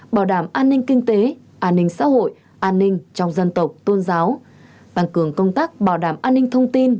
bảo đảm an ninh kinh tế an ninh xã hội an ninh trong dân tộc tôn giáo tăng cường công tác bảo đảm an ninh thông tin